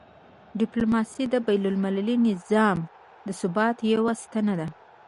ډیپلوماسي د بینالمللي نظام د ثبات یوه ستنه ده.